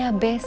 batal deh ini